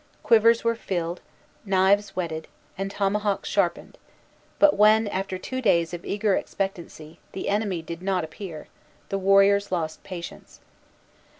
Quivers were filled, knives whetted, and tomahawks sharpened; but when, after two days of eager expectancy, the enemy did not appear, the warriors lost patience.